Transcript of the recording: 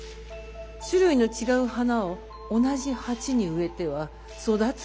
種類の違う花を同じ鉢に植えては育つものも育ちません。